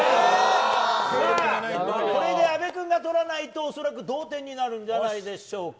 これで阿部君がとらないと恐らく同点になるんじゃないんでしょうか。